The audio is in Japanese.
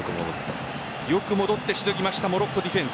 よく戻ってしのぎましたモロッコディフェンス。